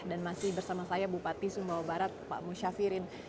dan masih bersama saya bupati sumbawa barat pak musya firin